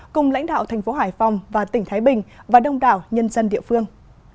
cùng lãnh đạo thành phố hải phòng và tỉnh thái bình và đông đảo nhân dân địa phương